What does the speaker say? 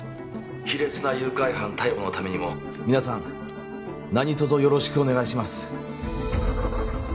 卑劣な誘拐犯逮捕のためにも皆さん何とぞよろしくお願いします